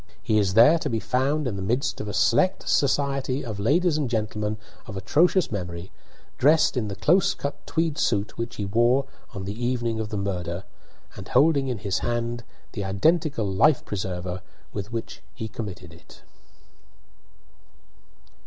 He is there to be found in the midst of a select society of ladies and gentlemen of atrocious memory, dressed in the close cut tweed suit which he wore on the evening of the murder, and holding in his hand the identical life preserve, with which he committed it.